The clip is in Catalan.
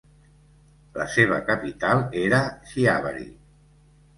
La seva capital era Chiavari.